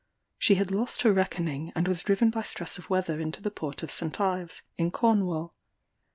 She had lost her reckoning, and was driven by stress of weather into the port of St. Ives, in Cornwall.